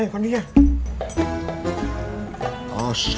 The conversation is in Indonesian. biarkan lihat tetap